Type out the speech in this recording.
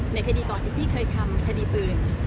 ในคดีก่อนที่พี่เคยทำคดีปืน